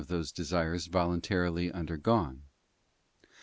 those very desires voluntarily undergone.